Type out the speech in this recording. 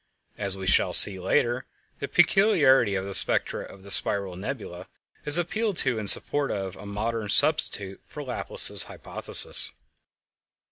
As we shall see later, the peculiarity of the spectra of the spiral nebulæ is appealed to in support of a modern substitute for Laplace's hypothesis.